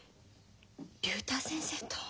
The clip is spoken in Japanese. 竜太先生と？